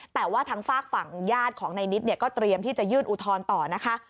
แต่ว่าทางฝากฝั่งญาติของนายนิดเนี่ยก็เตรียมที่จะยื่นอุทธรณ์ต่อนะคะ